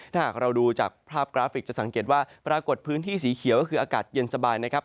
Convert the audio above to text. ถ้าหากเราดูจากภาพกราฟิกจะสังเกตว่าปรากฏพื้นที่สีเขียวก็คืออากาศเย็นสบายนะครับ